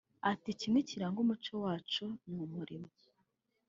Ati” Kimwe kiranga umuco wacu ni umurimo